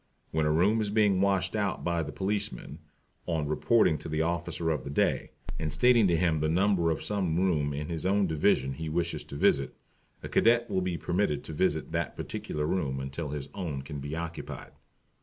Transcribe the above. When a room is being washed out by the policeman, on reporting to the Officer of the Day, and stating to him the number of some room in his own Division he wishes to visit, a Cadet will be permitted to visit that particular room until his own can be occupied.